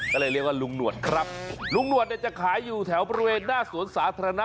ก็เลยเรียกว่าลุงหนวดครับลุงหนวดเนี่ยจะขายอยู่แถวบริเวณหน้าสวนสาธารณะ